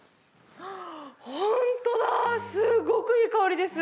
ホントだすごくいい香りです